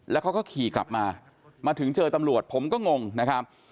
แล้วเขาก็ขี่กลับมามาถึงเจอตำรวจผมก็งงนะครับ